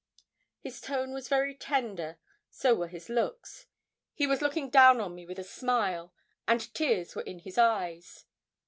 His tone was very tender, so were his looks; he was looking down on me with a smile, and tears were in his eyes.